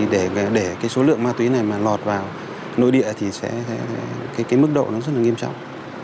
để số lượng ma túy này mà lọt vào nội địa thì mức độ rất là nghiêm trọng